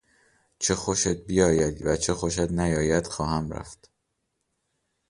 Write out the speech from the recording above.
چه خوشت بیاید و چه خوشت نیاید خواهم رفت.